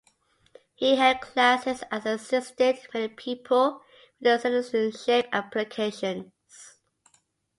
He held classes and assisted many people with their citizenship applications.